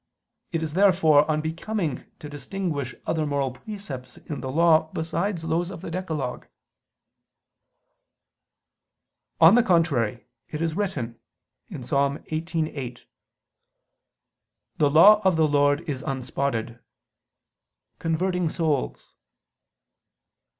It is therefore unbecoming to distinguish other moral precepts in the Law besides those of the decalogue. On the contrary, It is written (Ps. 18:8): "The law of the Lord is unspotted, converting souls."